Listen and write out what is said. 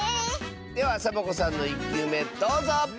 ではサボ子さんの１きゅうめどうぞ！